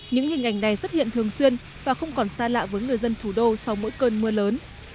những hình ảnh này xuất hiện thường xuyên và không còn xa lạ với người dân thủ đô sau mỗi cơn mưa lớn